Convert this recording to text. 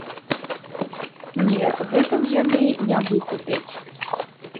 Не, гэтым яны не выкупяць.